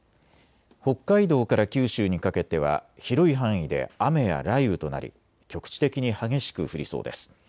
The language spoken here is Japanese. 北海道から九州にかけては広い範囲で雨や雷雨となり局地的に激しく降りそうです。